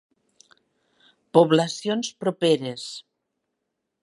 Poblacions properes: